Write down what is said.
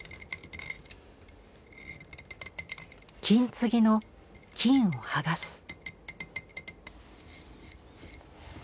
金継ぎの金を剥がす。